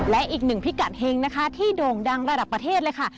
และอีกหนึ่งพิกัดเฮงนะคะที่โด่งดังระดับประเทศเลยค่ะ